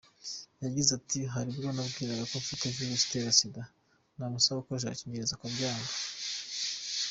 Yagize ati “Hari uwo nabwiraga ko mfite Virusi itera Sida, namusaba gukoresha agakingirizo akabyanga.